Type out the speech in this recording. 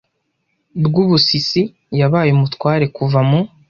Rwubusisi yabaye umutware kuva mu